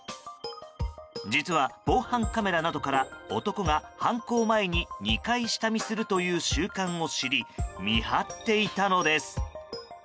実は、防犯カメラなどから男が、犯行前に２回下見するという習慣を知り見張っていたのです。